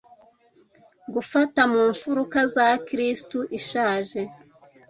gufata mu mfuruka za kristu ishaje